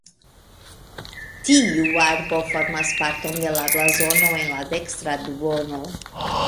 Tiu arbo formas parton de la blazono en la dekstra duono.